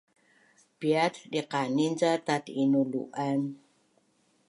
Piat diqanin ca tat’inulu’an?